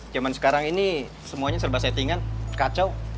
zaman sekarang ini semuanya serba settingan kacau